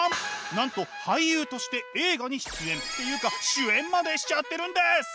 なんと俳優として映画に出演っていうか主演までしちゃってるんです！